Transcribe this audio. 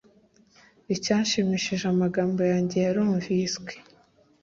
icyanshimishije, amagambo yanjye yarumviswe